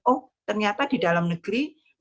oh ternyata di dalam negeri